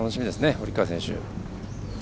堀川選手。